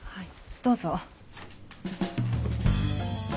どうぞ。